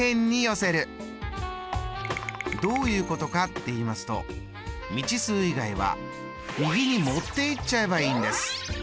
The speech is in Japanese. どういうことかっていいますと未知数以外は右に持っていっちゃえばいいんです！